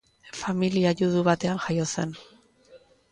Familia judu batean jaio zen.